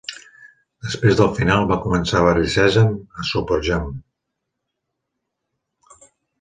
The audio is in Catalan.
Després del final, va començar "Barri Sèsam" a "Super Jump".